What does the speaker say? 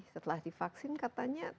setelah divaksin katanya